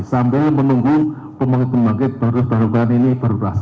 sampai menunggu pembangkit pembangkit baru terbarukan ini berubah